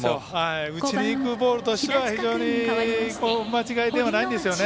打ちにいくボールとしては間違いではないんですよね。